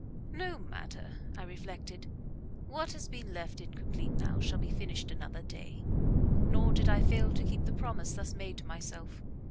"No matter," I reflected. "What has been left incomplete now, shall be finished another day." Nor did I fail to keep the promise thus made to myself.